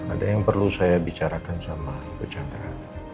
ada yang perlu saya bicarakan sama ibu chandra